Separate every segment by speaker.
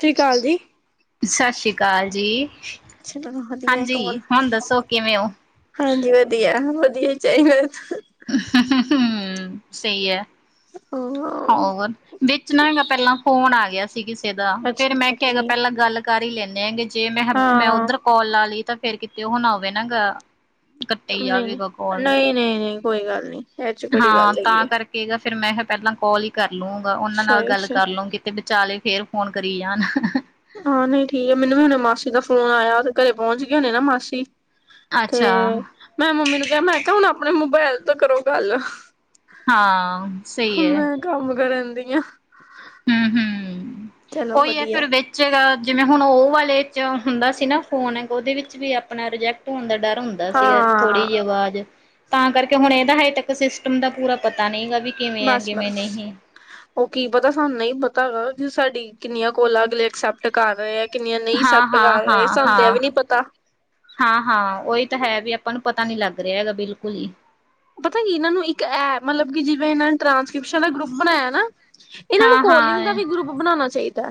Speaker 1: Three ਕਾਲ ਜੀ
Speaker 2: ਸਤਿ ਸ਼ੀ ਕਾਲ ਜੀ
Speaker 1: ਚ ਵਧੀਆ
Speaker 2: ਹਾਂਜੀ, ਹੁਣ
Speaker 1: [unintelligible]
Speaker 2: ਦੱਸੋ ਕਿਵੇਂ ਹੋ?
Speaker 1: ਹਾਂਜੀ ਵਧੀਆ ਵ [unintelligible] ਚਾਹੀਦਾ
Speaker 2: ਹਾ ਹਾ ਹੂ [unintelligible] ਸਹੀ ਹੈ
Speaker 1: ਹਾਂ।
Speaker 2: ਹੋਰ ਵਿੱਚ ਨਾ ਹੈਗਾ ਪਹਿਲਾਂ ਫੋਨ ਆ ਗਿਆ ਸੀ ਕਿਸੇ ਦਾ
Speaker 1: ਅੱਛਾ
Speaker 2: ਫੇਰ ਮੈਂ
Speaker 1: ਅੱਛਾ
Speaker 2: ਕਿਹਾ ਹੈਗਾ
Speaker 1: ਠੀਕ
Speaker 2: ਪਹਿਲਾਂ ਗੱਲ ਕਰ ਹੀ ਲੈਂ ਮ [unintelligible] ਜੇ ਮੈਂ ਮੈਂ
Speaker 1: ਹਾਂ
Speaker 2: ਉੱਧਰ ਕੋਲ ਲਾ ਲਈ ਤਾਂ ਫੇਰ ਕੀ ਤੇ ਉਹ ਹੁਣ ਆਵੇ ਨਾ ਗ [unintelligible]
Speaker 1: ਨਹੀਂ ਨਹੀਂ ਨਹੀਂ ਨਹੀਂ ਨਹੀਂ ਕੋਈ ਗੱਲ ਨਹੀਂ
Speaker 2: ਹਾਂ ਤਾਂ ਕਰਕੇ ਇਹਦਾ ਫੇਰ ਮੇਹ ਪਹਿਲਾਂ ਕੋਲ ਈ ਕਰ ਲਊਗਾ ਉਹਨਾਂ ਨਾਲ
Speaker 1: ਸਹੀ
Speaker 2: ਗੱਲ
Speaker 1: ਸਹੀ।
Speaker 2: ਕਰ ਲਊ ਕੀਤੇ ਵਿਚਾਲੇ ਫੇਰ ਫੋਨ ਕਰੀ ਜਾਣ
Speaker 1: ਹਾਂ ਨਹੀਂ ਠੀਕ ਆ ਮੈਨੂੰ ਵੀ ਹੁਣੇ ਮਾਸੀ ਦਾ ਫੋਨ ਆਇਆ ਤੇ ਘਰੇ ਪਹੁੰਚ ਗਏ ਹੋਣੇ ਨਾ ਮਾਸੀ ਤੇ
Speaker 2: ਅੱਛਾ
Speaker 1: ਮੈਂ ਮੰਮੀ ਨੂੰ ਕਿਹਾ ਮੈਂ ਕਿਹਾ ਹੁਣ ਆਪਣੇ ਮੋਬਾਇਲ ਤਾਂ ਕਰੋ ਗੱਲ
Speaker 2: ਹਾਂ ਸਹੀ ਹੈ
Speaker 1: ਪਈ ਆਂ
Speaker 2: ਹਮ-ਹਮ ਉਹੀ ਹੈ
Speaker 1: ਵਧੀਆ
Speaker 2: ਫੇਰ ਵੇਚੇਗਾ ਜਿਵੇਂ ਹੁਣ ਉਹ ਵਾਲੇ ਚ ਹੁੰਦਾ ਸੀ ਨਾ ਫੋਨ ਗ ਉਹਦੇ ਵਿੱਚ ਵੀ ਆਪਣਾ ਰਿਜੈਕਟ ਹੋਣ ਦਾ ਡਰ ਹੁੰਦਾ ਸੀਗਾ ਥੋੜ੍ਹੀ
Speaker 1: ਹਾਂ
Speaker 2: ਜਿਹੀ ਆਵਾਜ਼ ਤਾਂ ਕਰਕੇ ਹੁਣ ਇਹਦਾ ਹਜੇ ਤੱਕ ਸਿਸਟਮ ਦਾ ਪੂਰਾ ਪਤਾ ਨਹੀਂ ਗਾ ਵੀ ਕਿਵੇਂ ਆ
Speaker 1: ਬਸ
Speaker 2: ਕਿਵੇਂ
Speaker 1: ਬਸ
Speaker 2: ਨਹੀਂ।
Speaker 1: ਉਹ ਕੀ ਪਤਾ ਸਾਨੂੰ ਨਹੀਂ ਪ ਤਾਾ ਵੀ [unintelligible] ਸਾਡੀ ਕਿੰਨੀਆਂ ਕੋਲਾਂ ਅਗਲੇ ਅਕਸੈਪਟ ਕਰ ਰਹੇ ਆ ਕਿੰਨੀਆਂ ਨਹੀਂ
Speaker 2: ਹਾਂ
Speaker 1: ਐਕਸੈਪਟ
Speaker 2: ਹਾਂ
Speaker 1: ਕਰ ਰਹੇ
Speaker 2: ਹਾਂ
Speaker 1: ਸਾਨੂੰ ਤੇ
Speaker 2: ਹਾਂ
Speaker 1: ਇਹ ਵੀ ਨੀ ਪਤਾ
Speaker 2: ਹਾਂ ਹਾਂ ਉਹੀ ਤਾਂ ਹੈ ਵੀ ਆਪਾਂ ਨੂੰ ਪਤਾ ਨੀ ਲੱਗ ਰਿਹਾ ਹੈਗਾ ਬਿਲਕੁਲ ਹੀ।
Speaker 1: ਪਤਾ ਨੀ ਇਹਨਾਂ ਨੂੰ ਇੱਕ ਇਹ ਮਤਲਬ ਕਿ ਜਿਵੇਂ ਇਹਨਾਂ ਨੇ ਟ੍ਰਾਂਸਕ੍ਰਿਪਸ਼ਨ ਦਾ ਗਰੁੱਪ ਬਣਾਇਆ ਨਾ ਇਹਨਾਂ ਨੂੰ ਕੋਲਿੰਗ ਦਾ
Speaker 2: ਹਾਂ-ਹਾਂ
Speaker 1: ਵੀ ਗਰੁੱਪ ਬਣਾਉਣਾ ਚਾਹੀਦਾ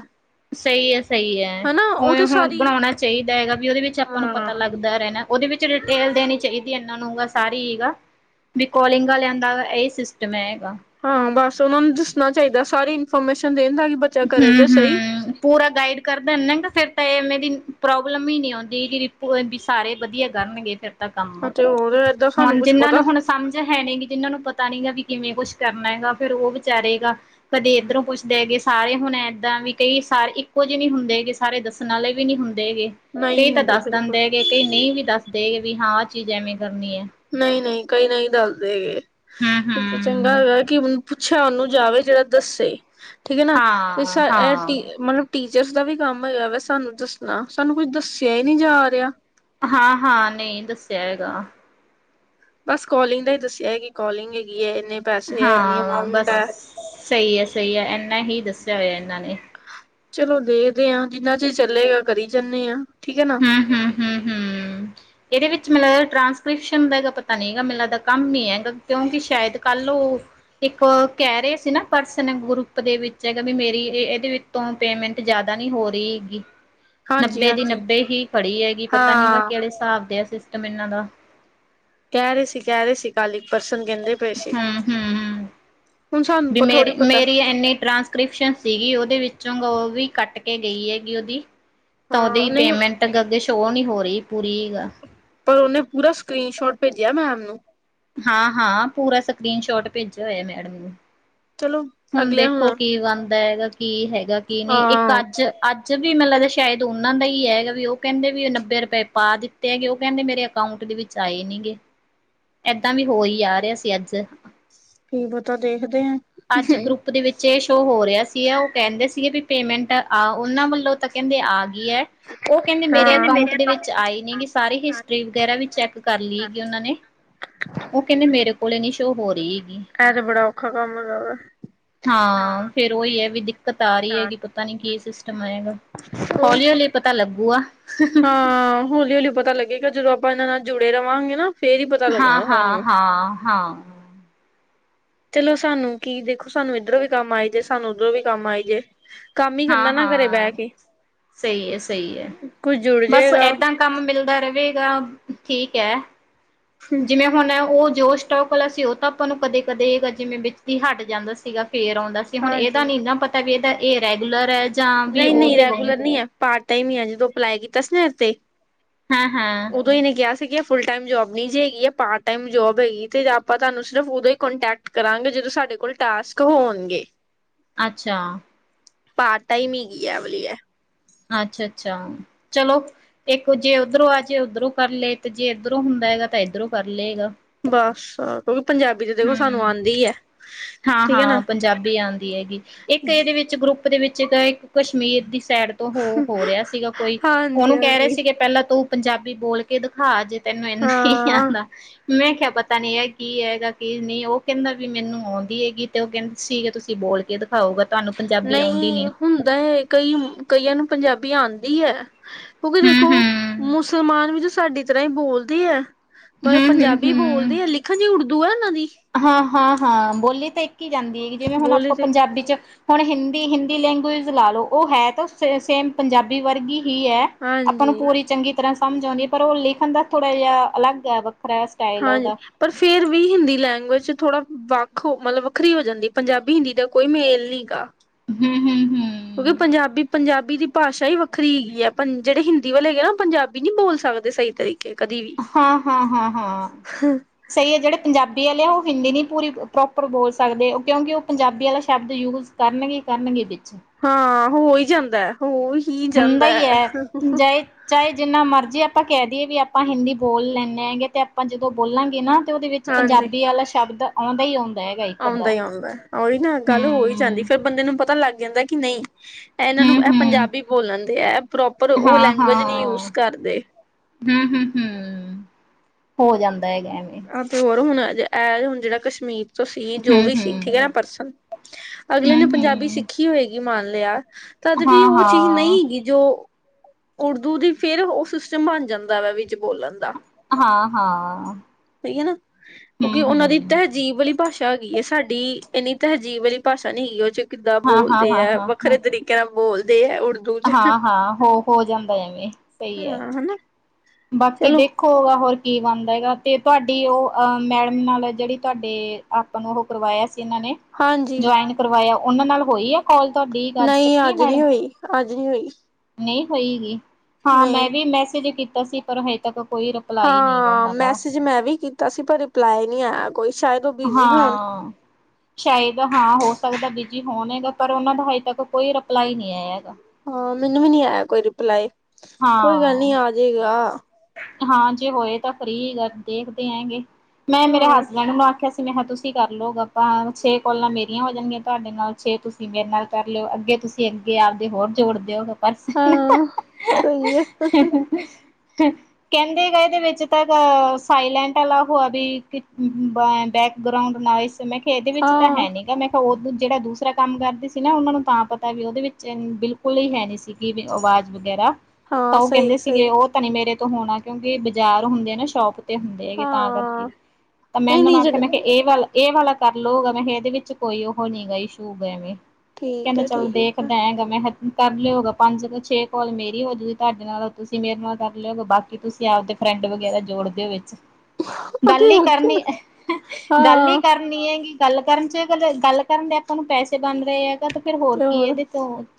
Speaker 2: ਸਹੀ ਹੈ ਸਹੀ ਹੈ
Speaker 1: ਹਨਾ ਉਹ
Speaker 2: ਉਵੇਂ
Speaker 1: ਤੇ
Speaker 2: ਹੁਣ
Speaker 1: ਸਾਰੀ
Speaker 2: ਬਣਾਉਣਾ ਚਾਹੀਦਾ ਹੈਗਾ ਵੀ ਉਹਦੇ ਵਿੱਚ ਆਪਾਂ ਨੂੰ ਪਤਾ
Speaker 1: ਹਾਂ
Speaker 2: ਲੱਗਦਾ ਰਹਿਣਾ ਉਹਦੇ ਵਿੱਚ ਡਿਟੇਲ ਦੇਣੀ ਚਾਹੀਦੀ ਹੈ ਇਹਨਾਂ ਨੂੰ ਸਾਰੀ ਹੀਗਾ ਵੀ ਕੋਲਿੰਗ ਆ ਲਿਆਂਦਾਾ ਇਹੀ ਸਿਸਟਮ ਹੈ ਹੈਗਾ।
Speaker 1: ਹਾਂ ਬਸ ਉਹਨਾਂ ਨੂੰ ਦੱਸਣਾ ਚਾਹੀਦਾ ਸਾਰੀ ਇਨਫੋਰਮੇਸ਼ਨ ਦੇ
Speaker 2: ਹਮ-ਹਮ ਪੂਰਾ ਗਾਈਡ ਕਰਦਾ ਨਾਂ ਫਿਰ ਤਾਂ ਇਹਵੇ ਪ੍ਰੋਬਲਮ ਹੀ ਨਹੀਂ ਆਉਂਦੀ ਇਹਦੀ ਰਿਪੋ ਵੀ ਸਾਰੇ ਵਧੀਆ ਕਰਨਗੇ ਫੇਰ। ਕੰਮ,
Speaker 1: ਅਤੇ ਹੋਰ ਏਦਾਂ ਸਾਨੂੰ
Speaker 2: ਹੁਣ
Speaker 1: ਕੁੱਛ
Speaker 2: ਜਿਹਨਾਂ
Speaker 1: ਪਤਾ
Speaker 2: ਨੂੰ ਹੁਣ ਸਮਝ ਹੈ ਨਹੀਂ ਗ ਜਿਹਨਾਂ ਨੂੰ ਪਤਾ ਨੀ ਗਾ ਵੀ ਕਿਵੇਂ ਕੁੱਛ ਕਰਨਾ ਹੈਗਾ ਫੇਰ ਉਹ ਵਿਚਾਰੇਗਾ ਕਦੇ ਇੱਧਰੋਂ ਪੁੱਛਦੇ ਹੈਗੇ ਸਾਰੇ ਹੁਣ ਏਦਾਂ ਵੀ ਕਈ ਸਾਰੇ ਇੱਕੋ ਜਿਹੇ ਨਹੀਂ ਹੁੰਦੇ ਸਾਰੇ ਦੱਸਣ ਵਾਲੇ ਵੀ ਨੀ ਹੁੰ ਕਈ
Speaker 1: ਨਹੀਂ
Speaker 2: ਤਾਂ
Speaker 1: ਹੁੰਦੇ
Speaker 2: ਦੱਸ
Speaker 1: ਬਿਲਕੁਲ
Speaker 2: ਦਿੰਦੇ ਹੈਗੇ ਕਈ ਨਹੀਂ ਵੀ ਦੱਸ ਦੇ। ਵੀ ਹਾਂ ਆਹ ਚੀਜ਼ ਐਵੇਂ ਕਰਨੀ ਹੈ।
Speaker 1: ਨਹੀਂ-ਨਹੀਂ ਕਈ ਨਹੀਂ ਦੱਸਦੇ ਹੈਗੇ।
Speaker 2: ਹੂੰ
Speaker 1: ਇਸ ਤੋਂ ਚੰਗਾ
Speaker 2: ਹੂੰ
Speaker 1: ਹੈਗਾ ਕਿ ਹੁਣ ਪੁੱਛਿਆ ਉਹਨ ਨੂੰ ਜਾਵੇ ਜਿਹੜਾ ਦੱਸੇ ਠੀਕ ਹੈ ਨਾ ਤੇ
Speaker 2: ਹਾਂ ਹਾਂ
Speaker 1: ਇਹ ਮਤਲਬ [unintelligible] ਟੀਚਰਸ ਦਾ ਵੀ ਕੰਮ ਹੋਇਆ ਵਾ ਸਾਨੂੰ ਦੱਸਣਾ ਸਾਨੂੰ ਕੁੱਝ ਦੱਸਿਆ ਹੀ ਨੀ ਜਾ ਰਿਹਾ।
Speaker 2: ਹਾਂ-ਹਾਂ ਨਹੀਂ ਦੱਸਿਆ ਹੈਗਾ।
Speaker 1: ਬਸ ਕੋਲਿੰਗ ਦਾ ਹੀ ਦੱਸਿਆ ਹੈ ਕਿ ਕੋਲਿੰਗ ਹੈਗੀ ਹੈ। ਇੰਨੇ ਪੈਸੇ ਹੈ ਇੰਨੀ
Speaker 2: ਹਾਂ ਬਸ
Speaker 1: ਅਮਾਊਂਟ ਹੈ
Speaker 2: ਸਹੀ ਹੈ, ਸਹੀ ਹੈ ਇਨਾ ਹੀ ਦੱਸਿਆ ਹੋਇਆ ਇਹਨਾਂ ਨੇ।
Speaker 1: ਚਲੋ ਦੇਖਦੇ ਹਾਂ ਜਿੰਨਾ ਚਿਰ ਚੱਲੇਗਾ ਕਰੀ ਜਾਂਨੇ ਹਾਂ।
Speaker 2: ਹਮ-ਹਮ, ਹਮ-ਹਮ ਇਹਦੇ ਵਿੱ ਮਤ ਟ੍ਰਾਂਸਕ੍ਰਿਪਸ਼ਨ ਦਾ ਪਤਾ ਨੀ ਹੈਗਾ ਮੈਨ ਲੱਗਦਾ ਕੰਮ ਹੀ ਹੈਗਾ ਕਿਉਂਕਿ ਸ਼ਾਇਦ ਕੱਲ ਉਹ ਇੱਕ ਕਹਿ ਰਹੇ ਸੀ ਨਾ ਪਰਸਨ ਗਰੁਪ ਦੇ ਵਿੱਚ ਹੈਗਾ ਵੀ ਮੇਰੀ ਇਹਦੇ ਵਿੱਚੋਂ ਪੇਮੈਂਟ ਜਿਆਦਾ ਨੀ ਹੋ ਰਹੀ ਹੈਗੀ।
Speaker 1: ਹਾਂਜੀ
Speaker 2: ਨੱਬੇ ਦੀ
Speaker 1: ਹਾਂਜੀ
Speaker 2: ਨੱਬੇ। ਹੀ ਖੜੀ ਹੈਗੀ ਪਤਾ ਨੀ ਗਾ
Speaker 1: ਹਾਂ
Speaker 2: ਕਿਹੜੇ ਹਿਸਾਬ ਦੇ ਸਿਸਟਮ ਇਹਨਾਂ ਦਾ
Speaker 1: ਕਹਿ ਰਹੇ ਸੀ, ਕਹਿ ਰਹੇ ਸੀ ਕਾਲੀ
Speaker 2: ਹਮ-ਹਮ, ਹਮ
Speaker 1: ਹੁਣ ਸਾਨੂੰ
Speaker 2: ਵੀ
Speaker 1: ਥੋੜ੍ਹੀ
Speaker 2: ਮੇਰੀ,
Speaker 1: ਪਤਾ
Speaker 2: ਮੇਰੀ ਇੰਨੀ ਟ੍ਰਾਂਸਕ੍ਰਿਪਸ਼ਨ ਸੀਗੀ ਉਹਦੇ ਵਿੱ ਚਗੋ ਉਹ ਵੀ ਕੱਟ ਕੇ ਗਈ ਏ ਗੀ ਉਹਦੀ। ਤਾਂ
Speaker 1: ਹਾਂ
Speaker 2: ਉਹਦੀ
Speaker 1: ਨਹੀਂ
Speaker 2: ਪੇਮੈਂਟ [unintelligible] ਸੋ ਨੀ ਹੋ ਰਹੀ ਪੂਰੀ ਗ
Speaker 1: ਪਰ ਉਹਨੇ ਪੂਰਾ ਸਕਰੀਨ ਸ਼ੋਟ ਭੇਜਿਆ ਮੈਮ ਨੂੰ।
Speaker 2: ਹਾਂ-ਹਾਂ ਪੂਰਾ ਸਕਰੀਨ ਸ਼ੋਟ ਭੇਜਿਆ ਹੋਇਆ ਮੈਡਮ ਨੂੰ।
Speaker 1: ਚਲੋ
Speaker 2: ਹੁਣ
Speaker 1: ਅਗਲਿਆਂ
Speaker 2: ਦੇਖੋ ਕੀ ਬਣਦਾ ਹੈਗਾ ਕੀ ਹੈਗਾ ਕੀ ਨਹੀਂ ਇੱਕ
Speaker 1: ਹਾਂ
Speaker 2: ਅੱਜ ਅੱ ਅੱਜ ਵੀ ਮਤਲਬ ਸ਼ਾਇਦ ਉਹਨਾ ਦਾ ਹੀ ਹੈਗਾ ਵੀ ਉਹ ਕਹਿੰਦੇ ਵੀ ਨੱਬੇ ਰੁਪਏ ਪਾ ਦਿੱਤੇ ਹੈਗੇ ਉਹ ਕਹਿੰਦੇ ਮੇਰੇ ਅਕਾਊਂਟ ਦੇ ਵਿੱਚ ਆਏ ਨੀ ਗੇ ਏਦਾਂ ਵੀ ਹੋਰ ਹੀ ਆ ਰਿਹਾ ਸੀ ਅੱਜ
Speaker 1: ਕੀ ਪਤਾ ਦੇਖ।
Speaker 2: ਅੱਜ ਗਰੁੱਪ ਦੇ ਵਿੱਚ ਇਹ ਸ਼ੋਅ ਹੋ ਰਿਹਾ। ਸੀ ਉਹ ਕਹਿੰਦੇ ਸੀਗੇ ਵੀ ਪੇਮੈਂਟ ਆ ਉਹਨਾਂ ਵੱਲੋਂ ਤਾਂ ਕਹਿੰਦੇ ਆ ਗ ਹੈ ਉਹ ਕਹਿੰਦੇ ਮੇਰੇ ਅਕਾਊਂਟ ਦੇ ਵਿੱਚ ਆਈ ਨੀ ਗ ਸਾਰੀ ਹਿਸਟਰੀ ਵਗੈਰਾ ਵੀ ਚੈੱਕ ਕਰ ਲਈ ਗ ਉਹਨਾਂ ਨੇ ਉਹ ਕਹਿੰਦੇ ਮੇਰੇ ਕੋਲ ਨੀ ਸ਼ੋਅ ਹੋ ਰਹੀ ਹੈਗੀ।
Speaker 1: ਇਹ ਤੇ ਬੜਾ ਔਖਾ ਕੰਮ ਹੈਗਾ ਵਾ
Speaker 2: ਹਾਂ ਫੇਰ ਉਹੀ ਹੈ, ਵੀ ਦਿੱਕਤ ਆ ਰਹੀ ਹੈਗੀ, ਪਤਾ ਨੀ ਕੀ ਤੇ ਮ ਹੌਲੀ-ਹੌਲੀ ਪਤਾ ਲੱਗੋ। ਵਾਹ
Speaker 1: ਹਾਂ ਹੌਲੀ- ਹੌਲੀ ਪਤਾ ਲੱਗੇਗਾ ਜਦੋਂ ਆਪਾਂ ਇਹਨਾਂ ਨਾਲ ਜੁੜੇ ਰਵਾਂਗੇ ਨਾ। ਫੇਰ ਹੀ ਪਤਾ
Speaker 2: ਹਾਂ-
Speaker 1: ਲੱਗਣਾ
Speaker 2: ਹਾਂ
Speaker 1: ਸਾਨੂੰ
Speaker 2: -ਹਾਂ -ਹਾਂ।
Speaker 1: ਚਲੋ ਸਾਨੂੰ ਕੀ ਦੇਖੋ ਸਾਨੂੰ ਇੱਧਰੋਂ ਵੀ ਕੰਮ ਆਈ ਜੇ ਸਾਨੂੰ ਉੱਧਰੋਂ ਵੀ ਕੰਮ ਆਈ ਜੇ ਕੰਮ ਹੀ
Speaker 2: ਹਾਂ
Speaker 1: ਕਰਨਾ ਨਾ ਘਰੇ
Speaker 2: -ਹਾਂ
Speaker 1: ਬਹਿ ਕੇ
Speaker 2: ਸਹੀ ਹੈ -ਸਹੀ ਹੈ
Speaker 1: ਕੁੱਝ ਜੁੜ
Speaker 2: ਬਸ
Speaker 1: ਜਾਏਗਾ
Speaker 2: ਏਦਾਂ ਕੰਮ ਮਿਲਦਾ ਰਵੇਗਾ। ਠੀਕ ਏ। ਜਿਵੇਂ ਹੁਣ ਉਹ ਜੋ ਸਟੋਕ ਅਲਾ ਸੀ ਉਹ ਤਾਂ ਆਪਾਂ ਨੂੰ ਕਦੇ- ਕਦੇ ਜਿਵੇਂ ਵਿੱਚ ਹਟ ਜਾਂਦਾ ਸੀਗਾ। ਫੇਰ ਆਉਂਦਾ ਸੀ, ਹੁਣ ਇਹਦਾ ਨੀ ਨਾ ਪਤਾ ਵੀ ਇਹਦਾ ਇਹ ਰੈਗੂਲਰ ਐ।
Speaker 1: ਨਹੀਂ -ਨਹੀਂ ਰੈਗੂਲਰ ਨਹੀਂ ਹੈ, ਪਾਰਟ ਟਾਈਮ ਹੀ ਹੈ, ਜਦੋਂ ਅਪਲਾਈ [unintelligible] ਤਸ ਨਹੀਂ ਤੇ
Speaker 2: ਹਾਂ ਹਾਂ
Speaker 1: ਉਦੋਂ ਹੀ ਨੇ ਕਿਹਾ ਸੀ। ਫੁਲ ਟਾਈਮ ਜੋਬ ਨੀ ਜ ਹੈਗੀ ਆ ਪਾਰਟ ਟਮ ਜੋਬ ਹੈਗੀ ਤੇ ਆਪਾਂ ਤੁਹਾਨੂੰ ਸਿਰਫ ਓਦੋਂ ਹੀ ਕੋਂਟੈਕਟ ਕਰਾਂਗੇ ਜਦੋਂ ਸਾਡੇ ਕੋਲ ਟਾਸਕ ਹੋਣਗੇ।
Speaker 2: ਅੱਛਾ
Speaker 1: ਪਾਟ ਟਾਈਮ ਹੈਗੀ ਐਵਲੀ ਐ।
Speaker 2: ਅੱਛਾ -ਅੱਛਾ ਚਲੋ ਇੱਕ ਜੇ ਉੱਧਰੋਂ ਆ ਜੇ ਉੱਧਰੋਂ ਕਰ ਲਏ ਤੇ ਜੇ ਇੱਧਰੋਂ ਹੁੰਦਾ ਹੈਗਾ ਤਾਂ ਇੱਧਰੋਂ ਕਰ ਲਏਗਾ।
Speaker 1: ਬਸ ਕਿਉਂਕਿ ਪੰਜਾਬੀ ਤੇ ਦੇਖੋ ਸਾਨੂੰ ਆਉਂਦੀ ਐ।
Speaker 2: ਹਾਂ
Speaker 1: ਠੀਕ ਐ
Speaker 2: -ਹਾਂ
Speaker 1: ਨਾ।
Speaker 2: ਪੰਜਾਬੀ ਆਉਂਦੀ ਹੈਗੀ, ਇੱਕ ਇਹਦੇ ਵਿੱਚ ਗਰੁੱਪ ਦੇ ਵਿੱਚ ਗ ਇੱਕ ਕਸ਼ਮੀਰ ਦੀ ਸਾਈਡ ਤੋਂ ਹੋ -ਹੋ ਰਿਹਾ ਸੀਗਾ ਕੋਈ ਉਹਨੂੰ ਕਹਿ ਰਹੇ
Speaker 1: ਹਾਂਜੀ-ਹਾਂਜੀ।
Speaker 2: ਸੀਗੇ ਪਹਿਲਾਂ ਤੂੰ ਪੰਜਾਬੀ ਬੋਲ ਕੇ ਦਿਖਾ ਜੇ ਤੈਨੂੰ ਇੰਨਾ ਹੀ [inaudible]
Speaker 1: ਹਾਂ
Speaker 2: ਆਂਦਾ ਮੈਂ ਕਿਹਾ ਪਤ ਤਾ ਨਹੀ ਹੈ ਕੀ ਹੈਗਾ ਕੀ ਨਹੀਂ ਉਹ ਕਹਿੰਦਾ ਵੀ ਮੈਨੂੰ ਔ। ਹੈਗੀ ਤੇ ਉਹ ਕਹਿੰਦੇ ਹੈ ਤੁਸੀਂ ਬੋਲ ਕੇ ਦਿਖਾਓਗਾ। ਤੁਹਾਨੂੰ ਪੰਜਾਬੀ ਆਉਂਦੀ
Speaker 1: ਨਹੀਂ
Speaker 2: ਨੀ
Speaker 1: ਹੁੰਦਾ ਹੈ, ਕਈ ਕਈਆਂ ਨੂੰ ਪੰਜਾਬੀ ਵੀ ਆਂਦੀ ਐ ਕਿਉਂਕਿ ਦੇਖੋ
Speaker 2: ਹੂੰ-ਹੂੰ,
Speaker 1: ਮੁਸਲਮਾਨ ਵੀ ਸਾਡੀ ਤਰ੍ਹਾਂ ਹੀ ਬੋਲਦੀ ਐ। ਮਤਲਬ
Speaker 2: ਹੂੰ-ਹੂੰ,
Speaker 1: ਪੰਜਾਬੀ ਬੋਲਦੇ ਆ ਲਿਖਣ'ਚ ਹੀ ਉਰਦੂ ਹੈ ਉਹਨਾਂ ਦੀ
Speaker 2: ਹਾਂ। ਹਾਂ, ਹਾਂ ਬੋਲੀ ਪੀ ਜਾਂਦੀ ਹੈਗੀ ਜਿਵੇਂ ਹੁਣ,
Speaker 1: ਬੋਲੀ
Speaker 2: ਆਪਾ
Speaker 1: ਤੇ
Speaker 2: ਪੰਜਾਬੀ' ਚ ਹੁਣ ਹਿੰਦੀ-ਹਿੰਦੀ ਲੈਂਗੁਏਜ ਲਾ ਲਓ, ਉਹ ਹੈ ਤਾਂ ਸੇ-ਸੇਮ ਪੰਜਾਬੀ ਵਰਗੀ। ਹੀ, ਹੈ ਆਪਾਂ ਨੂੰ ਪੂਰੀ
Speaker 1: ਹਾਂਜੀ-ਹਾਂਜੀ।
Speaker 2: ਚੰਗੀ ਤਰ੍ਹਾਂ ਸਮਝ ਆਉਂਦੀ ਹੈ, ਪਰ ਉਹ ਲਿਖਣ ਦਾ ਥੋੜ੍ਹਾ ਜਿਹਾ ਅਲੱਗ ਹੈ। ਵੱਖਰਾ ਸਟਾਈਲ ਹੈ
Speaker 1: ਹਾਂਜੀ।
Speaker 2: ਉਹਦਾ।
Speaker 1: ਪਰ ਫੇਰ ਵੀ ਹਿੰਦੀ ਲੈ ਜ ਥੋੜਾ ਵੱਖ ਮਤਲਬ ਵੱਖਰੀ ਹੋ ਜਾਂਦੀ, ਪੰਜਾਬੀ- ਹਿੰਦੀ ਦਾ ਕੋਈ ਮੇਲ ਨੀ ਗਾ। ਕਿਉਂਕਿ,
Speaker 2: ਹੂੰ-ਹੂੰ-ਹੂੰ
Speaker 1: ਪੰਜਾਬੀ, ਪੰਜਾਬੀ ਦੀ ਭਾਸ਼ਾ ਹੀ ਵੱਖਰੀ ਹੈਗੀ ਹੈ। ਜਿਹੜੇ ਹਿੰਦੀ ਵਾਲੇ ਹੈਗੇ ਆ, ਉਹ ਪੰਜਾਬੀ ਨਹੀ ਬੋਲ ਸਕਦੇ ਸਹੀ ਤਰੀਕੇ ਕਦੀ ਵੀ
Speaker 2: ਹਾਂ- ਹਾਂ, ਹਾਂ, ਹਾਂ ਸਹੀ ਹੈ, ਜਿਹੜੇ ਪੰਜਾਬੀ ਵਾਲੇ ਉਹ ਹਿੰਦੀ ਨਹੀਂ ਪੂਰੀ ਪ੍ਰੌਪਰ ਬੋਲ ਸਕਦੇ, ਕਿਉਂਕਿ ਉਹ ਪੰਜਾਬੀ ਵਾਲਾ ਸ਼ਬਦ ਯੂਜ ਕਰਨਗੇ, ਕਰਨਗੇ ਵਿੱਚ।
Speaker 1: ਹਾਂ, ਹੋਈ ਜਾਂਦਾ। ਹੋ ਹੀ
Speaker 2: ਹੁੰਦਾ
Speaker 1: ਜਾਂਦਾ
Speaker 2: ਹੀ ਹੈ, ਚੇ ਚਾਹੇ ਜਿੰਨਾ ਮਰਜ਼ੀ ਆਪਾਂ ਕਹਿ ਦਈਏ ਵੀ ਆਪਾਂ ਹਿੰਦੀ ਬੋਲ ਲੈਂਨੋ ਹੈਗੇ ਆ, ਤੇ ਆਪਾਂ ਜਦੋਂ ਬੋਲਾਂਗੇ ਨਾ ਤੇ, ਉਹਦੇ ਵਿੱਚ
Speaker 1: ਹਾਂਜੀ
Speaker 2: ਪੰਜਾਬੀ ਵਾਲਾ ਸ਼ਬਦ ਆਉਂਦਾ ਹੀ ਆਂੳਂ
Speaker 1: ਆਉਂਦਾ ਹੀ, ਆਉਂਦਾ ੳਹੀ ਨਾ ਗੱਲ ਹੋ ਹੀ ਜਾਂਦੀ,
Speaker 2: ਹੂੰ
Speaker 1: ਫੇਰ ਬੰਦੇ ਨੂੰ ਪਤਾ ਲੱਗ ਜਾਂਦਾ ਕਿ, ਨਹੀਂ ਇਹਨਾਂ ਨੂੰ
Speaker 2: ਹੂੰ
Speaker 1: ਇਹ
Speaker 2: ਹੂੰ
Speaker 1: ਪੰਜਾਬੀ ਬੋਲਣ ਦੇ ਆ, ਪ੍ਰੌਪਰ ਉਹ
Speaker 2: ਹਾਂ ਹਾਂ
Speaker 1: ਲੈਂਗੁਏਜ ਨਹੀਂ ਯੂਜ ਕਰਦੇ।
Speaker 2: ਹੂੰ ਹੂੰ ਹੂੰ ਹੋ ਜਾਂਦ
Speaker 1: ਆਹ ਤੇ, ਹੋਰ ਹੁਣ ਐ, ਹੁਣ ਜਿਹੜਾ ਕਸ਼ਮੀਰ ਸੀ, ਜੋ
Speaker 2: ਹੂੰ
Speaker 1: ਵੀ ਸੀ ਠੀਕ ਹੈ
Speaker 2: ਹੂੰ
Speaker 1: ਨਾ, ਪਰਸਨ ਅਗਲੇ
Speaker 2: ਹੂੰ
Speaker 1: ਨੇ ਪੰਜਾਬੀ
Speaker 2: ਹੂੰ
Speaker 1: ਸਿੱਖੀ ਹੋਏਗੀ। ਕੀ ਮੰਨ ਲਿਆ ਤਦ
Speaker 2: ਹਾਂ
Speaker 1: ਵੀ, ਉਹ ਚੀਜ਼ ਨਹੀਂ
Speaker 2: ਹਾਂ
Speaker 1: ਸੀਗੀ, ਜੋ ਉਰਦੂ ਦੀ ਫੇਰ ਉਹ ਸਿਸਟਮ ਬਣ ਜਾਂਦਾ, ਵਾ ਵਿੱਚ ਬੋਲਣ ਦਾ।
Speaker 2: ਹਾਂ, ਹਾਂ।
Speaker 1: ਸਹੀ ਐ ਨਾ,
Speaker 2: ਹੂੰ
Speaker 1: ਕਿਉਂਕਿ ਉਹਨਾਂ ਦੀ
Speaker 2: ਹੂੰ
Speaker 1: ਤਹਿਜੀਬ ਵਾਲੀ ਭਾਸ਼ਾ ਹੈਗੀ ਹੈ, ਸਾਡੀ ਇੰਨੀ ਤਹਿਜੀਬ ਵਾਲੀ ਭਾਸ਼ਾ ਨਹੀਂ ਹੈਗੀ। ਉਹ'ਚ ਕਿੱਦਾਂ
Speaker 2: ਹਾਂ ਹਾਂ
Speaker 1: ਬੋਲਦੇ
Speaker 2: ਹਾਂ
Speaker 1: ਐ,
Speaker 2: ਹਾਂ
Speaker 1: ਵੱਖਰੇ
Speaker 2: ਹਾਂ
Speaker 1: ਤਰੀਕੇ ਨਾਲ ਬੋਲਦੇ ਐ, ਉ
Speaker 2: ਹਾਂ ਹਾਂ ਹੋ ਹੋ ਜਾਂਦ ਐਵੇਂ, ਸਹੀ ਐ।
Speaker 1: ਹਾਂ ਹਨਾ
Speaker 2: ਬਾਕੀ
Speaker 1: ਚਲੋ
Speaker 2: ਦੇਖੋਗਾ, ਹੋਰ ਕੀ ਬਣਦਾ ਹੈਗਾ ਤੇ, ਤੁਹਾਡੀ ਉਹ ਆਹ ਮੈਡਮ ਨਾਲ ਜਿਹੜੀ ਤੁਹਾਡੇ ਆਪਾਂ ਨੂੰ ਉਹ ਕਰਵਾਇਆ ਸੀ। ਜਿਨਾਂ ਨੇ
Speaker 1: ਹਾਂਜੀ
Speaker 2: ਜੁਆਇਨ ਕਰਵਾਇਆਂ। ਉਹਨਾਂ ਨਾਲ ਹੋਈ ਐ?
Speaker 1: ਨਹੀਂ ਅੱਜ ਨਹੀ ਹੋਈ, ਅੱਜ ਨੀ ਹੋਈ।
Speaker 2: ਨਹੀਂ ਹੋਈਗੀ? ਹਾਂ,
Speaker 1: ਨਹੀਂ
Speaker 2: ਮੈਂ ਵੀ ਮੈਸੇਜ ਕੀਤਾ ਕੀਤਾ ਸੀ, ਪਰ ਹੇਲੈ ਤੱਕ ਕੋਈ ਰਿਪਲਾਈ ਨਹੀਂ ਗਾ
Speaker 1: ਹਾਂ,
Speaker 2: ਉਹਨਾਂ ਦਾ
Speaker 1: ਮੈਸੇਜ ਮੈਂ ਵੀ ਕੀਤਾ ਸੀ, ਪਰ ਰਿਪਲਾਈ ਨਹੀਂ ਆਇਆ। ਕੋਈ ਸ਼ਾਇਦ, ਉਹ ਬਿਜ਼ੀ ਹੋਣ
Speaker 2: ਹਾਂ ਸ਼ਾਇਦ ਹਾਂ ਹੋ ਸਕਦਾ ਬਿਜੀ ਹੋਣਗਾ, ਪਰ ਉਹਨਾਂ ਦਾ ਹਜੇ ਤੱਕ ਕੋਈ ਰਿਪਲਾਈ ਨਹੀਂ ਆਇਆ ਹੈਗਾ।
Speaker 1: ਹਾਂ, ਮੈਨੂੰ ਵੀ ਨੀ ਆਇਆ ਕੋਈ ਰਿਪਲਾਈ‌। ਕੋਈ ਗੱਲ ਨੀ
Speaker 2: ਹਾਂ
Speaker 1: ਆਜੇਗਾ।
Speaker 2: ਹਾਂ, ਜੇ ਹੋਏ ਤਾਂ ਫਰੀ ਕ ਦੇਖਦੇ ਹੈਂਗੇ। ਮੈਂ ਮੇਰੇ
Speaker 1: ਹਾਂ
Speaker 2: ਹਸਬੈਂਡ ਨੂੰ, ਆਖਿਆ ਸੀ ਮੈਂ ਕਿਹਾ ਤੁਸੀਂ ਕਰਲਓ ਗਾ, ਆਪਾਂ ਛੇ ਕੋਲਾਂ ਮੇਰੀਆਂ ਹੋ ਜਾਣਗੀਆਂ ਤੁਹਾਡੇ ਨਾਲ, ਛੇ ਤੁਸੀਂ ਮੇਰੇ ਨਾਲ ਕਰ ਲਿਓ ਅੱਗੇ ਤੁਸੀਂ ਅੱਗੇ ਆਪਦੇ ਹੋਰ ਜੋੜਦੇਓ।
Speaker 1: ਹਾਂ ਸਹੀ ਆ।
Speaker 2: ਕਹਿੰਦੇ ਗਾ, ਇਹਦੇ ਵਿੱਚ ਤਾਂ ਸਾਇਲੈਂਟ ਵਾਲਾ ਹੋਆ ਵੀ ਬੈਕਗਰਾਊਂਡ ਨੋਇਸ ਤੇ, ਮੈਂ ਕਿਹਾ ਇਹਦੇ ਵਿੱਚ ਤਾਂ
Speaker 1: ਹਾਂ
Speaker 2: ਹੈ ਨੀ ਗਾ, ਮੈਂ ਕਿਹਾ ਉਹ ਜਿਹੜਾ ਦੂਸਰਾ ਕੰਮ ਕਰਦੀ ਸੀ ਨਾ, ਉਹਨਾਂ ਨੂੰ ਤਾਂ ਪਤਾ ਵੀ ਉਹਦੇ ਵਿੱਚ ਬਿਲਕੁਲ ਹੀ ਹੈ ਨਹੀਂ ਸੀਗੀ ਵੀ ਆਵਾਜ਼ ਵਗੈਰਾ। ਤਾਂ
Speaker 1: ਹਾਂ
Speaker 2: ਉਹ
Speaker 1: ਸਹੀ
Speaker 2: ਕਹਿੰਦੇ
Speaker 1: ਸਹੀ
Speaker 2: ਸੀਗੇ, ਉਹ ਸਵੇਰੇ ਤੋਂ ਹੋਣਾ, ਕਿਉਂਕਿ ਬਾਜ਼ਾਰ ਹੁੰਦੇ ਆ ਨਾ ਸ਼ੋਪ ਤੇ ਹੁੰਦੇ ਹੈਗੇ, ਤਾਂ ਕਰਕੇ,
Speaker 1: ਹਾਂ
Speaker 2: ਤਾਂ ਮੈਂ
Speaker 1: ਨਹੀਂ
Speaker 2: ਇਹਨਾਂ ਨੂੰ
Speaker 1: ਨਹੀਂ
Speaker 2: ਆਖਿਆ
Speaker 1: ਜਿਹੜਾ
Speaker 2: ਮੈਂ ਕਿਹਾ ਇਹ ਵੱਲ ਇਹ ਵਾਲਾ ਕਰ ਲਉਗਾ ਮੈਂ ਇਹਦੇ ਵਿੱਚ ਕੋਈ ਉਹ ਨੀ ਗ ਸ਼ੂ ਗਵੇਂ
Speaker 1: ਠੀਕ
Speaker 2: ਕਹਿੰਦਾ
Speaker 1: ਹੈ
Speaker 2: ਚਲ
Speaker 1: ਠੀਕ ਹੈ
Speaker 2: ਦੇਖਦਾ ਐਗਾ ਮੈਂ ਹਥ ਕਰ ਲਿ ਹੋਗਾ ਪੰਜ ਤੋਂ ਛੇ ਕੋਲ ਮੇਰੀ ਹੋ ਜਦੀ ਤੁਹਾਡੇ ਨਾਲ ਤੁਸੀਂ ਮੇਰੇ ਨਾਲ ਕਰ ਲਿਓਗੇ ਬਾਕੀ ਤੁਸੀਂ ਆਪਦੇ ਫਰੈਂਡ ਵਗੈਰਾ ਜੋੜਦੇ ਹੋ ਵਿੱਚ
Speaker 1: ਅਤੇ
Speaker 2: ਗੱਲ ਹੀ
Speaker 1: ਹੋਰ ਕੀ
Speaker 2: ਕਰਨੀ ਗੱਲ ਹੀ
Speaker 1: ਹਾਂ
Speaker 2: ਕਰਨੀ ਹੈਗੀ ਗੱਲ ਕਰਨ ਚ ਗ ਗੱਲ ਕਰਨ ਦੇ ਆਪਾਂ ਨੂੰ ਪੈਸੇ ਬਣ ਰਹੇ ਹੈ ਫਿਰ ਹੋਰ ਕੀ ਇਹਦੇ ਚ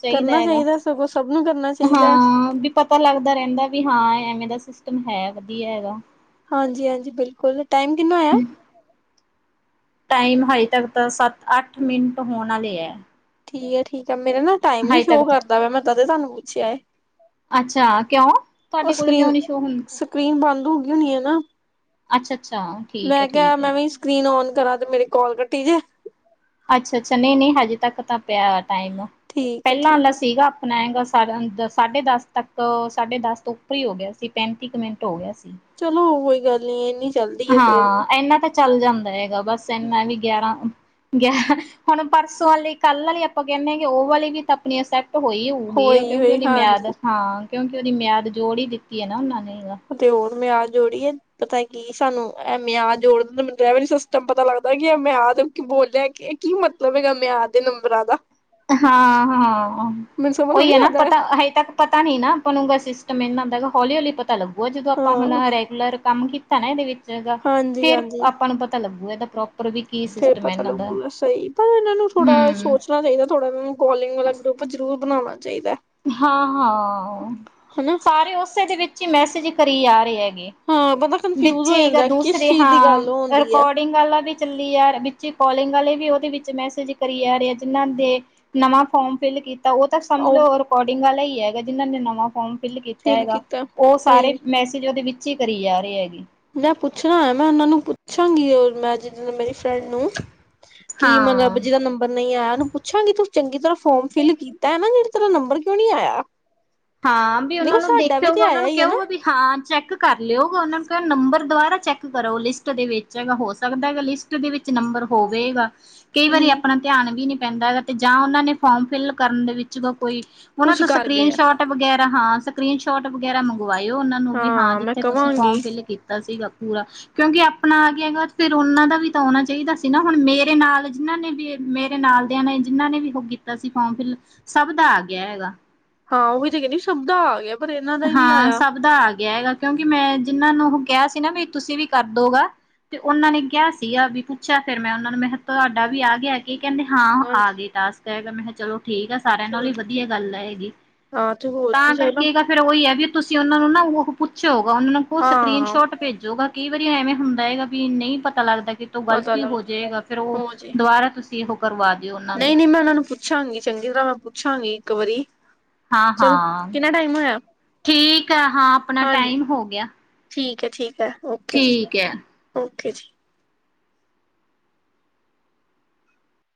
Speaker 2: ਚਾਹੀਦਾ
Speaker 1: ਕਰਨਾ
Speaker 2: ਹੈਗਾ
Speaker 1: ਸਗੋਂ ਸਭ ਨੂੰ ਕਰਨਾ ਚਾਹੀਦਾ
Speaker 2: ਹਾਂ ਵੀ ਪਤਾ ਲੱਗਦਾ ਰਹਿੰਦਾ ਵੀ ਹਾਂ ਐਵੇਂ ਦਾ ਸਿਸਟਮ ਹੈ, ਵਧੀਆ ਹੈਗਾ।
Speaker 1: ਹਾਂਜੀ- ਹਾਂਜੀ, ਬਿਲਕੁਲ। ਟਾਈਮ ਕਿੰਨਾ ਹੋਇਆ।
Speaker 2: ਟਾਈਮ ਹਜੇ ਤੱਕ ਤਾਂ ਸੱਤ ਅੱਠ ਮਿੰਟ ਹੋਣ ਆਲੇ ਐ।
Speaker 1: ਠੀਕ ਐ ਠੀਕ। ਮੇਰੇ ਨਾ ਟਾਈਮ ਨੀ ਸ਼ੋਅ
Speaker 2: ਤਾਂ
Speaker 1: ਕਰਦਾ ਵਾ ਮੈਂ ਤਦੇ ਤੁਹਾਨੂੰ ਪੁੱਛਿਆ ਏ
Speaker 2: ਅੱਛਾ ਕਿਉਂ
Speaker 1: ਉਹ
Speaker 2: ਤੁਹਾਡੇ ਕੋਲ ਕਿਉਂ
Speaker 1: ਸਕਰੀਨ-
Speaker 2: ਨੀ ਸ਼ੋ ਹੁੰਦੀ
Speaker 1: ਸਕਰੀਨ ਬੰਦ ਹੋ ਗਈ ਹੋਣੀ ਹੈ, ਨਾ
Speaker 2: ਅੱਛਾ-ਅੱਛਾ ਠੀਕ
Speaker 1: ਮੈਂ ਕਿਹਾ
Speaker 2: ਐ-ਠੀਕ ਐ
Speaker 1: ਮੈਂ ਵੀ ਸਕਰੀਨ ਓਨ ਕਰਾਂ ਤੇ ਮੇਰੀ ਕੌਲ ਕਟੀ ਜੇ
Speaker 2: ਅੱਛਾ- ਅੱਛਾ, ਨਹੀਂ- ਨਹੀਂ ਹਜੇ ਤੱਕ ਤਾਂ ਪਿਆ। ਟੈਮ
Speaker 1: ਠੀਕ ਹੈ
Speaker 2: ਪਹਿਲਾਂ
Speaker 1: ਠੀਕ
Speaker 2: ਵਾਲਾ
Speaker 1: ਹੈ
Speaker 2: ਸੀਗਾ ਆਪਣਾ ਹੈਗਾ ਸਾ ਸਾਢੇ ਦਸ ਤੱਕ ਸਾਢੇ ਦਸ ਤੋਂ ਉੱਪਰ ਹੀ ਹੋ ਗਿਆ ਸੀ ਪੈਂਤੀ ਕੁ ਮਿੰਟ ਹੋ ਗਿਆ ਸੀ।
Speaker 1: ਚਲੋ ਕੋਈ ਗੱਲ ਨੀ ਇੰਨੀ ਜਲਦੀ ਹੈ ਫੇਰ ਵੀ
Speaker 2: ਹਾਂ ਇਹਨਾ ਤਾਂ ਚੱਲ ਜਾਂਦਾ ਐ। ਬਸ ਇਹਨਾ ਵੀ ਗਿਆਰਾਂ ਗਿਆ ਹੁਣ ਪਰਸੋਂ ਵਾਲੀ ਕੱਲ ਆਲੀ ਆਪਾਂ ਕਹਿੰਦੇ ਹਾਂਗੇ ਉਹ ਵਾਲੀ ਵੀ ਤਾਂ ਆਪਣੀਆਂ ਸੈਟ ਤਾਂ ਹੋਈ ਹੋਊਗੀ ਆ
Speaker 1: ਹੋਈ
Speaker 2: ਕਿਉਂਕਿ
Speaker 1: ਹੋਈ
Speaker 2: ਉਹਦੀ ਮਿਆਦ
Speaker 1: ਹਾਂਜੀ
Speaker 2: ਹਾਂ। ਕਿਉਂਕਿ ਉਹਦੀ ਮਿਆਦ ਜੋੜ ਹੀ ਦਿੱਤੀ ਹੈ ਨਾ ਉਹਨਾਂ ਨੇ
Speaker 1: ਅਤੇ ਹੋਰ ਮੈਂ ਆ ਜੋੜੀਏ ਪਤਾ ਕੀ ਸਾਨੂੰ ਇਹ ਮਿਆਦ ਜੋੜ ਸਿਸਟਮ ਪਤਾ ਲੱਗਦਾ ਕਿ ਇਹ ਮਿਆਦ ਬੋਲਿਆ ਕੀ ਮਤਲਬ ਹੈਗਾ ਮਿਆਦ ਦੇ ਨੰਬਰਾਂ ਦਾ
Speaker 2: ਹਾਂ, ਹਾਂ
Speaker 1: ਮੈਨੂੰ ਸਮਝ
Speaker 2: ਉਹੀ
Speaker 1: ਥੋੜੀ
Speaker 2: ਹੈ, ਨਾ
Speaker 1: ਲੱਗਦਾ
Speaker 2: ਪਤਾ ਹਜੇ ਤੱਕ ਪਤਾ ਪਤਾ ਨਹੀਂ ਨਾ ਆਪਾਂ ਨੂੰ ਸਿਸਟਮ ਹਨਾ ਹੌਲੀ- ਹੌਲੀ ਪਤਾ ਤਾਂ ਲੱਗੂਗਾ ਜਦੋਂ ਆਪਾਂ ਹੁਣ
Speaker 1: ਹਾਂ
Speaker 2: ਰੈਗੂਲਰ ਕੰਮ ਕੀਤਾ ਨਾ ਇਹਦੇ ਵਿੱਚ ਜਗ੍ਹਾਂ
Speaker 1: ਹਾਂਜੀ
Speaker 2: ਫੇਰ
Speaker 1: ਹਾਂਜੀ
Speaker 2: ਆਪਾਂ ਨੂੰ ਪਤਾ ਲੱਗੂ। ਮੈਂ ਤਾਂ ਪ੍ਰੋਪ
Speaker 1: ਫੇਰ ਪਤਾ ਲੱਗੂਗਾ ਸਹੀ ਪਰ ਇਹਨਾਂ ਨੂੰ ਥੋੜਾ
Speaker 2: ਹਮ
Speaker 1: ਸੋਚਣਾ ਚਾਹੀਦਾ। ਥੋੜਾ ਮੈਨੂੰ ਕੌਲਿੰਗ ਵਾਲਾ ਗਰੁਪ ਜ਼ਰੂਰ ਬਣਾਲਾਂਗੀ।
Speaker 2: ਹਾਂ, ਹਾਂ
Speaker 1: ਹਨਾ
Speaker 2: ਸਾਰੇ ਉਸੇ ਦੇ ਵਿੱਚ ਮੈਸੇਜ ਕਰੀ ਆ ਰਹੇ ਏ।
Speaker 1: ਹਾਂ ਬੰਦਾ ਕਨਫਿਊਜ ਹੋ
Speaker 2: ਵਿੱਚੇ ਗ
Speaker 1: ਜਾਂਦਾ ਕਿਸ
Speaker 2: ਦੂਸਰੇ
Speaker 1: ਚੀਜ਼ ਦੀ
Speaker 2: ਹਾਂ
Speaker 1: ਗੱਲ ਹੁੰਦੀ ਹੈ
Speaker 2: ਰਿਕੋਡਿੰਗ ਵਾਲਾ ਵੀ ਚੱਲੀ ਆ ਵਿੱਚ ਕੌਲਿੰਗ ਵਾਲੇ ਵੀ ਉਹਦੇ ਵਿੱਚ ਮੈਸੇਜ ਕਰੀ ਜਾ ਰਹੇ ਆ ਜਿਨਾਂ ਦੇ ਨਵਾਂ ਫੋਮ ਫਿਲ ਕੀਤਾ। ਤਾਂ ਉਹ ਤਾਂ ਸਮਝ ਲੋ
Speaker 1: ਉਹ
Speaker 2: ਔਰ ਵਾਲਾ ਹੀ ਹੈਗਾ ਜਿਹਨ੍ਹਾਂ ਨੇ ਨਵਾਂ ਫੋਰਮ ਫਿਲ ਕੀਤਾ
Speaker 1: ਫੀਲ
Speaker 2: ਹੈਗਾ
Speaker 1: ਕੀਤਾ
Speaker 2: ਉਹ ਸਾਰੇ
Speaker 1: ਭਾਈ
Speaker 2: ਮੈਸੇਜ ਉਹਦੇ ਵਿੱਚ ਕੱਚੀ ਕਰੀ ਜਾ ਰਹੇ ਹੈਗੇ।
Speaker 1: ਮੈਂ ਪੁੱਛਣਾ ਏ, ਮੈਂ ਉਹਨਾਂ ਨੂੰ ਪੁੱਛਾਂਗੀ ਮੈਂ ਜਿੱਦ ਮੇਰੀ ਫਰੇਡ ਨੂੰ ਕੀ ਮਤਲਬ
Speaker 2: ਹਾਂ
Speaker 1: ਜੀਦਾ ਨੰਬਰ ਨਹੀਂ ਆਇਆ। ਮੈਨੂੰ ਪੁੱਛਾਂਗੀ ਤੂੰ ਚੰਗੀ ਤਰ੍ਹਾਂ ਫੋਰਮ ਫਿਲ ਕੀਤਾ ਏ, ਨਾ ਜਿਹੜਾ ਤੇਰਾ ਨੰਬਰ ਕਿਉਂ ਨੀ ਆਇਆ।
Speaker 2: ਹਾਂ ਵੀ ਉਹਨਾਂ
Speaker 1: ਦੇਖੋ
Speaker 2: ਨੂੰ
Speaker 1: ਸਾਡਾ ਵੀ ਤੇ
Speaker 2: ਦੇਖਊਗਾ ਉਹਨਾਂ
Speaker 1: ਆਇਆ
Speaker 2: ਨੂੰ
Speaker 1: ਹੀ ਹੈ ਨਾ
Speaker 2: ਕਹਊਗਾ ਵੀ ਹਾਂ, ਚੈਕ ਕਰ ਲਿਓਗਾ ਉਹਨਾਂ ਨੂੰ ਕਹ ਨੰਬਰ ਦੁਬਾਰਾ ਚੈੱਕ ਕਰੋ, ਲਿਸਟ ਦੇ ਵਿੱਚ ਹੈਗਾ ਹੋ ਸਕਦਾ ਹੈਗਾ, ਲਿਸਟ ਦੇ ਵਿੱਚ ਨੰਬਰ ਹੋਵੇਗਾ। ਕਈ ਵਾਰੀ
Speaker 1: ਹਮ
Speaker 2: ਆਪਣਾ ਧਿਆਨ ਵੀ ਨੀ ਪੈਂਦਾ ਹੈਗਾ ਤੇ ਜਾਂ ਉਹਨਾਂ ਨੇ ਫੋਰਮ ਫਿਲ ਕਰਨ ਦੇ ਵਿੱਚ ਕੋਈ ਉਹਨਾਂ
Speaker 1: ਕੁਛ
Speaker 2: ਤੋਂ
Speaker 1: ਕਰ ਗਏ
Speaker 2: ਸਕਰੀਨ
Speaker 1: ਆ
Speaker 2: ਸ਼ੋਟ ਵਗੈਰਾ ਹਾਂ ਸਕਰੀਨ ਸ਼ੋਟ ਵਗੈਰਾ ਮੰ ਗਵਾਇਓ ਉਹਨਾਂ ਨੂੰ ਵੀ ਹਾਂ
Speaker 1: ਮੈਂ
Speaker 2: ਜਿੱਥੇ ਤੁਸੀਂ
Speaker 1: ਕਵਾਂਗੀ
Speaker 2: ਫੋਰਮ ਫਿਲ ਕੀਤਾ ਸੀਗਾ। ਪੂਰਾ ਕਿਉਂਕਿ ਆਪਣਾ ਆ ਗਿਆ ਹੈਗਾ ਫਿਰ ਉਹਨਾਂ ਦਾ ਵੀ ਤਾਂ ਆਣਾ ਚਾਹੀਦਾ ਸੀ, ਨਾ ਹੁਣ ਮੇਰੇ ਨਾਲ ਜਿਹਨਾਂ ਨੇ ਵੀ ਮੇਰੇ ਨਾਲ ਦਿਆਂ ਨੇ ਜਿਨਾਂ ਨੇ ਵੀ ਉਹ ਕੀਤਾ ਸੀ ਫੋਮ ਫਿਰ, ਸਭ ਦਾ ਆ ਗਿਆ ਹੈਗਾ।
Speaker 1: ਹਾਂ ਉਹ ਵੀ ਤੇ ਕਹਿੰਦੀ ਸਭ ਦਾ ਆ ਗਿਆ। ਪਰ ਇਹਨਾਂ ਦਾ ਹੀ ਨਹੀਂ
Speaker 2: ਹਾਂ
Speaker 1: ਆਇਆ
Speaker 2: ਸਭ ਦਾ ਆ ਗਿਆ ਹੈਗਾ। ਕਿਉਂਕਿ ਮੈਂ ਜਿਹਨਾਂ ਨੂੰ ਉਹ ਕਿਹਾ ਸੀ ਨਾ ਵੀ ਤੁਸੀਂ ਵੀ ਕਰਦੋਗਾ ਤੇ ਉਹਨਾਂ ਨੇ ਕਿਹਾ ਸੀਗਾ ਵੀ ਪੁੱਛਿਆ ਫੇਰ ਮੈਂ ਉਹਨਾਂ ਨੂੰ ਮੈਂ ਕਿਹਾ ਤੁਹਾਡਾ ਵੀ ਆ ਗਿਆ ਕਿ ਕਹਿੰਦੇ ਹਾਂ ਆ
Speaker 1: ਹਾਂਜੀ
Speaker 2: ਗਈ ਟਾਸਕ ਮੈਂ ਚਲੋ ਠੀਕ ਆ ਸਾਰਿਆਂ ਨਾਲ
Speaker 1: ਚਲੋ
Speaker 2: ਹੀ ਵਧੀਆ ਗੱਲ ਹੈਗੀ
Speaker 1: ਹਾਂ ਤੇ ਹੋਰ ਕੀ
Speaker 2: ਤਾਂ
Speaker 1: ਚਲੋ
Speaker 2: ਕਰਕੇ ਇ ਗੱਲ ਵੀ ਤੁਸੀਂ ਉਹਨਾਂ ਨੂੰ ਨਾ ਉਹ ਪੁੱਛ ਹੋਗਾ ਉਹਨਾਂ ਨੂੰ ਕੋ ਸਕਰੀਨ
Speaker 1: ਹਾਂ
Speaker 2: ਸ਼ੋਟ ਭੇਜੂਗਾ। ਕਈ ਵਾਰੀ ਐਵੇਂ ਹੁੰਦਾ ਹੈਗਾ ਵੀ ਨਹੀਂ ਪਤਾ ਲੱਗਦਾ। ਕਿ ਤੋਂ
Speaker 1: ਪਤਾ
Speaker 2: ਗ਼ਲਤੀ ਹੋ
Speaker 1: ਲੱਗਦਾ
Speaker 2: ਜਾਏਗਾ ਫਿਰ ਉਹ
Speaker 1: ਹੋ ਜੇ,
Speaker 2: ਦੁਬਾਰਾ ਤੁਸੀਂ ਉਹ ਕਰਵਾ ਦਿਓ ਉਹਨਾਂ ਨੂੰ
Speaker 1: ਨਹੀਂ-ਨਹੀਂ ਮੈਂ ਉਹਨਾਂ ਨੂੰ ਪੁੱਛਾਂਗੀ ਚੰਗੀ ਤਰ੍ਹਾਂ ਮੈਂ ਪੁੱਛਾਂਗੀ। ਇੱਕ ਵਾਰੀ ਚਲੋ
Speaker 2: ਹਾਂ-ਹਾਂ
Speaker 1: ਕਿੰਨਾ ਟਾਈਮ ਹੋਇਆ
Speaker 2: ਠੀਕ ਆ ਹਾਂ ਆਪਣਾ
Speaker 1: ਹਾਂਜੀ
Speaker 2: ਟਾਈਮ ਹੋ ਗਿਆ।
Speaker 1: ਠੀਕ ਓਕੇ ਜੀ
Speaker 2: ਠੀਕ ਹੈ
Speaker 1: ਓਕੇ। [unintelligible]